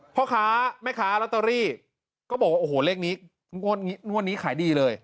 พ่อค้าแม่ค้าลอตเตอรี่ก็บอกว่าโอ้โหเลขนี้งวดนี้ขายดีเลย